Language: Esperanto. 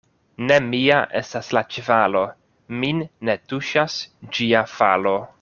Ne mia estas la ĉevalo, min ne tuŝas ĝia falo.